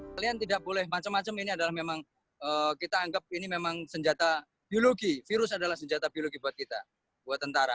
kalian tidak boleh macam macam ini adalah memang kita anggap ini memang senjata biologi virus adalah senjata biologi buat kita buat tentara